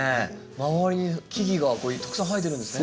周りに木々がたくさん生えてるんですね。